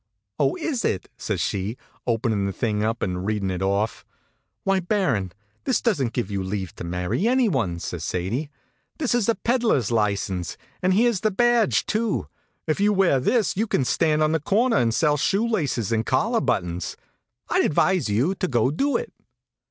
"Oh, is it?" says she, openin' the thing up, and reading it off. "Why, Baron, this doesn't give you leave to marry anyone," says Sadie; "this is a peddler's license, and here's the badge, too. If you wear this you can stand on the corner and sell shoe laces and collar buttons. I'd advise you to go do it."